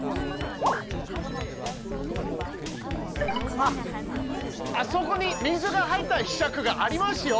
あっあそこに水が入ったひしゃくがありますよ。